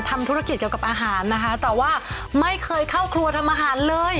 ทำธุรกิจเกี่ยวกับอาหารนะคะแต่ว่าไม่เคยเข้าครัวทำอาหารเลย